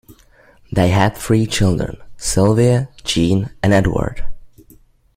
They had three children, Sylvia, Jean, and Edward.